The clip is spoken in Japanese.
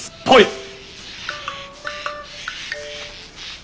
はい。